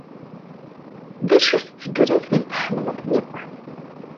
D acu-tt tsegrit ay tḥemmled akk?